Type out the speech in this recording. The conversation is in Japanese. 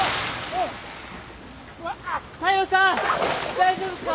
大丈夫っすか！？